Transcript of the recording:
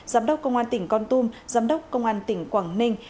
giám đốc công an tỉnh con tum giám đốc công an tỉnh quảng ninh